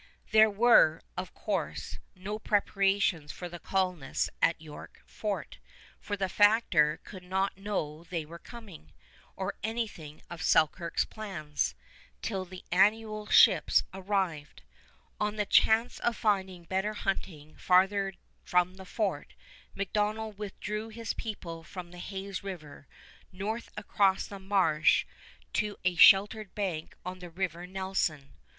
There were, of course, no preparations for the colonists at York Fort, for the factor could not know they were coming, or anything of Selkirk's plans, till the annual ships arrived. On the chance of finding better hunting farther from the fort, MacDonell withdrew his people from Hayes River, north across the marsh to a sheltered bank of the River Nelson.